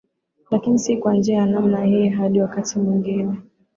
lakini si kwa njia ya namna hii hadi wakati mwingine